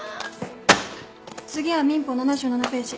次は民法７７ページ。